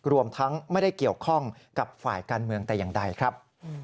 รวมทั้งไม่ได้เกี่ยวข้องกับฝ่ายการเมืองแต่อย่างใดครับ